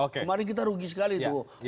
kemarin kita rugi sekali tuh